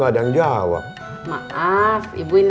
udah kerja wasted